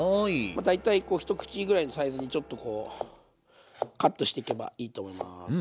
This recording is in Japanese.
まあ大体ひと口ぐらいのサイズにちょっとこうカットしていけばいいと思います。